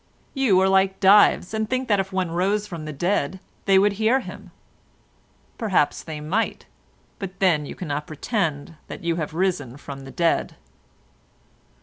You are like Dives, and think that if one rose from the dead they would hear him. Perhaps they might; but then you cannot pretend that you have risen from the dead."